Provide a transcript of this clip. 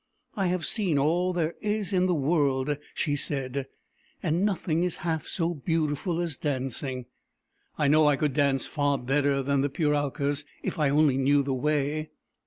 " I have seen all there is in the world," she said, " and nothing is half so beautiful as dancing. I know I could dance far better than the Puralkas, if I only knew the way.